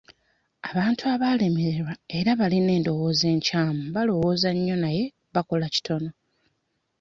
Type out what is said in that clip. Abantu abaalemererwa era abalina endowooza enkyamu balowooza nnyo naye bakola kitono.